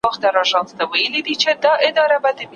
نو چي شاعر پخپله نه په پوهیږي